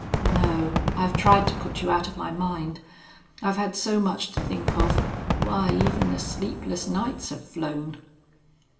"No. I've tried to put you out of my mind. I've had so much to think of why, even the sleepless nights have flown!"